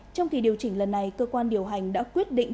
trong kỳ điều chỉnh lần này cơ quan điều hành đã quyết định